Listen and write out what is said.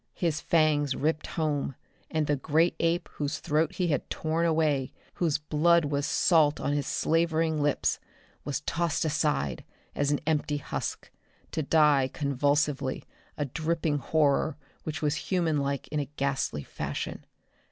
His fangs ripped home and the great ape whose throat he had torn away, whose blood was salt on his slavering lips, was tossed aside as an empty husk, to die convulsively, a dripping horror which was humanlike in a ghastly fashion.